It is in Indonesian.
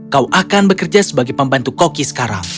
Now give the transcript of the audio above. kau akan bekerja sebagai pembantu koki sekarang